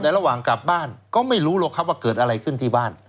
แต่ระหว่างกลับบ้านก็ไม่รู้หรอกครับว่าเกิดอะไรขึ้นที่บ้าน